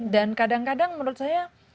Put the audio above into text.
dan kadang kadang menurut saya